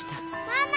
・ママ！